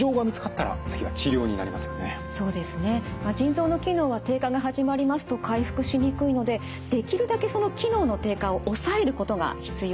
腎臓の機能は低下が始まりますと回復しにくいのでできるだけその機能の低下を抑えることが必要です。